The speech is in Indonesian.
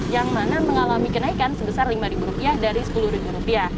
yang mana mengalami kenaikan sebesar rp lima dari rp sepuluh